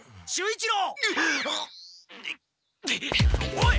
おい！